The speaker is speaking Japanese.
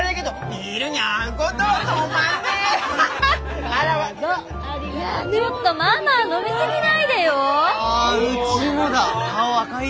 いやちょっとママ飲み過ぎないでよ。